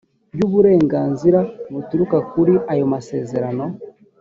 ry uburenganzira buturuka kuri ayo masezerano